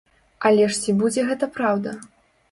Але ж ці будзе гэта праўда?